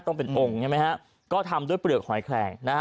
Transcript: ต้องเป็นองค์ใช่ไหมฮะก็ทำด้วยเปลือกหอยแคลงนะฮะ